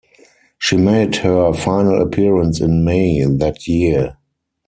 She made her final appearance in May that year.